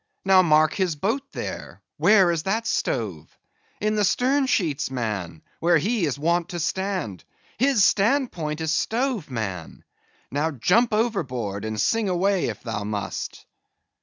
now mark his boat there; where is that stove? In the stern sheets, man; where he is wont to stand—his stand point is stove, man! Now jump overboard, and sing away, if thou must!